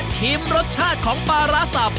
ชิมรสชาติของปลาร้าสับ